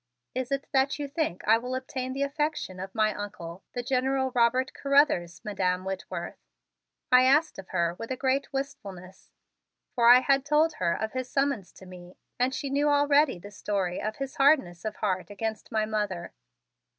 "Is it that you think I will obtain the affection of my Uncle, the General Robert Carruthers, Madam Whitworth?" I asked of her with a great wistfulness, for I had told her of his summons to me and she knew already the story of his hardness of heart against my mother.